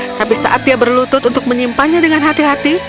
tapi saat dia berlutut untuk menyimpannya dengan hati hati